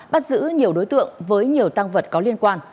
bắt giữ nhiều đối tượng với nhiều tăng vật có liên quan